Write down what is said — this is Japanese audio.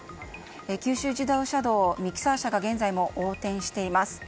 九州自動車道でミキサー車が現在も横転しています。